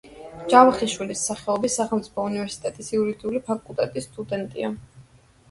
ჯავახიშვილის სახელობის სახელმწიფო უნივერსიტეტის იურიდიული ფაკულტეტის სტუდენტია.